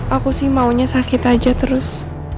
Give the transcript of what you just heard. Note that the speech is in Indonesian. aku sih maunya sakit aja terus